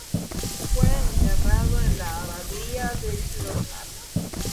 Fue enterrado en la abadía de Clonard.